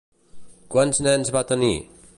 Quants nens va tenir?